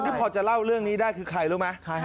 นี่พอจะเล่าเรื่องนี้ได้คือใครรู้ไหม